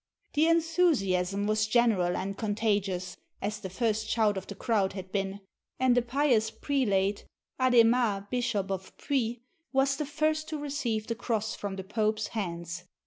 " The enthusiasm was general and contagious, as the first shout of the crowd had been; and a pious prelate, Adhemar, Bishop of Puy, was the first to receive the cross from the Pope's hands.